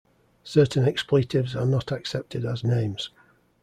Certain expletives are not accepted as names.